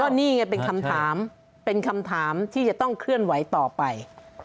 นี่ไงเป็นคำถามเป็นคำถามที่จะต้องเคลื่อนไหวต่อไป